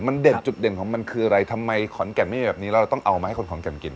มันเด็ดจุดเด่นของมันคืออะไรทำไมขอนแก่นไม่มีแบบนี้แล้วเราต้องเอามาให้คนขอนแก่นกิน